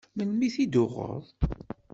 Melmi i t-id-tuɣeḍ?